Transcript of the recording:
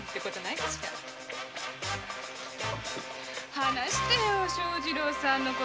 話してよ庄二郎さんの事。